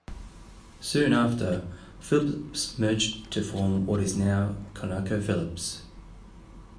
Soon after, Phillips merged to form what is now ConocoPhillips.